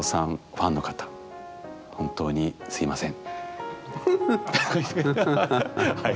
ファンの方本当にすいません。